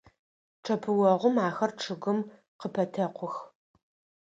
Чъэпыогъум ахэр чъыгым къыпэтэкъух.